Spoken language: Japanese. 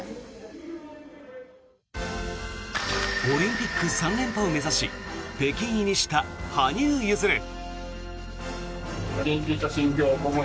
オリンピック３連覇を目指し北京入りした羽生結弦。